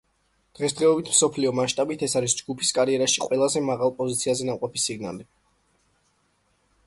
დღესდღეობით მსოფლიო მასშტაბით, ეს არის ჯგუფის კარიერაში ყველაზე მაღალ პოზიციაზე ნამყოფი სინგლი.